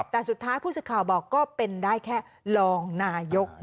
แต่สุดท้ายผู้สื่อข่าวบอกก็เป็นได้แค่รองนายก